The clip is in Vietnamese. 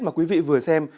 mà quý vị vừa xem